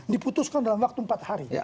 diputuskan dalam waktu empat hari